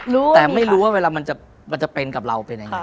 รู้มีค่ะแต่ไม่รู้ว่าเวลามันจะมันจะเป็นกับเราปีนไง